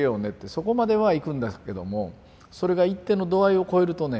そこまではいくんですけどもそれが一定の度合いを超えるとね